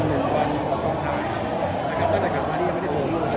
แขกของเราจะมาให้คุย